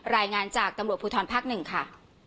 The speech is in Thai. รายงานจากตำรวจภูทรภาค๑ค่ะ